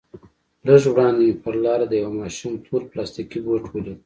لږ وړاندې مې پر لاره د يوه ماشوم تور پلاستيكي بوټ وليد.